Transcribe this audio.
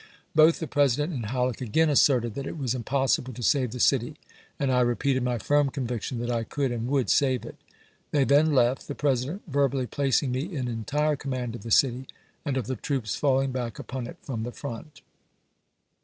Both the Presi dent and Halleck again asserted that it was impossible to save the city, and I repeated my firm conviction that I "^ian's*^^ could and would save it. They then left, the President Own verbally placing me in entire command of the city and of p. 535. the troops falling back upon it from the front.